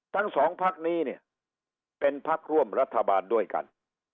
ทั้งสองภักรณ์นี้เป็นภักรณ์ร่วมรัฐบาลด้วยกัน